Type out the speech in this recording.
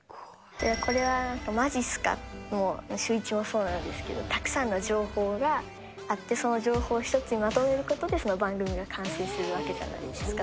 これはまじっすかもシューイチもそうなんですけど、たくさんの情報があって、その情報を１つにまとめることで、その番組が完成するわけじゃないですか、